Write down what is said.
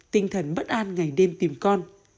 tinh thần bất an ngày đêm tìm con